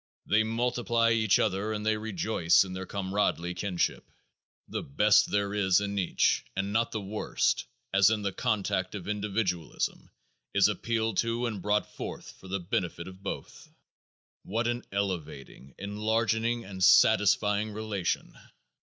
They multiply each other and they rejoice in their comradely kinship. The best there is in each, and not the worst, as in the contact of individualism, is appealed to and brought forth for the benefit of both. What an elevating, enlarging and satisfying relation!